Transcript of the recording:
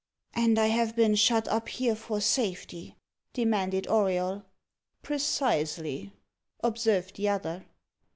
"And I have been shut up here for safety?" demanded Auriol. "Precisely," observed the other.